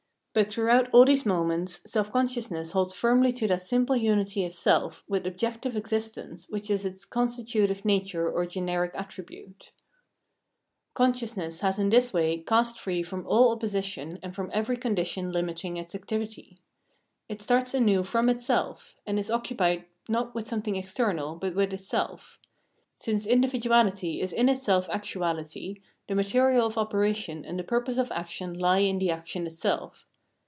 But throughout all these moments self consciousness holds firmly to that simple unity of self with objective existence which is its constitutive nature or generic attribute. Consciousness has in this way cast free from all oppo sition and from every condition limiting its activity. 384 Phenomenology of Mind It starts anew from itself, and is occupied not with something external, but with itself. Since individuahty is in itself actuahty, the material of operation and the purpose of action He in the action itself.